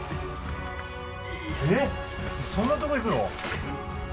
えっ、そんなとこ行くの？